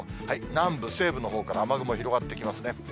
南部、西部のほうから、雨雲広がってきますね。